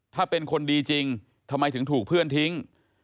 ถ้าเป็นคนดีจริงทำไมถึงถูกเพื่อนทิ้ง